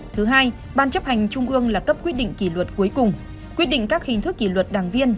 thứ hai ban chấp hành trung ương là cấp quyết định kỷ luật cuối cùng quyết định các hình thức kỷ luật đảng viên